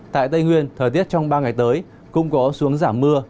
tại tây nguyên thời tiết trong ba ngày tới cũng có xu hướng giảm mưa